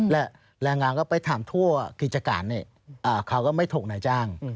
และแรงงานก็ไปถามทั่วกิจการเขาก็ไม่ถูกนายจ้าง